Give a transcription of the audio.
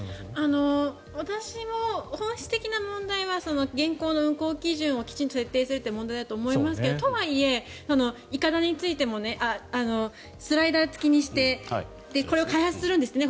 私も本質的な問題は現行の運航基準を設定するという問題だと思いますがとはいえ、いかだについてもスライダー付きにしてこれを開発するんですってね